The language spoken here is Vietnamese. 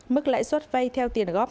mức lãi suất vay theo tiền góp